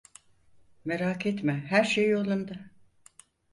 Merak etme, her şey yolunda.